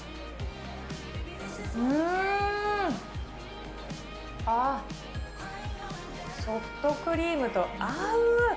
うーん、ソフトクリームと合う。